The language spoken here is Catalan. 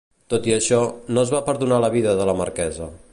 Tot i això, no es va perdonar la vida de la marquesa.